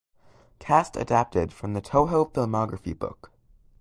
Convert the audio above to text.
Cast adapted from the "Toho Filmography" book.